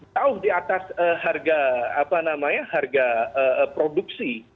tahu di atas harga produksi